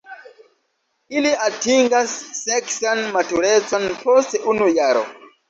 Ili atingas seksan maturecon post unu jaro.